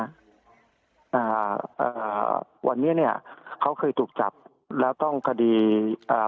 อ่าเอ่อวันนี้เนี้ยเขาเคยถูกจับแล้วต้องคดีอ่า